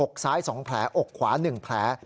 อกซ้าย๒แผลอกขวา๑แผล